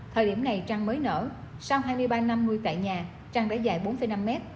thời điểm này trăng mới nở sau hai mươi ba năm nuôi tại nhà trang đã dài bốn năm mét